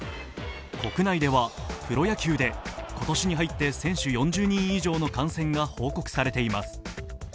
国内ではプロ野球で今年に入って選手４０人以上の感染が報告されています。